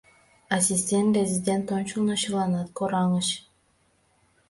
Ассистент-резидент ончылно чыланат кораҥыч.